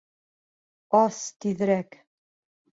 Ас тиҙерәк!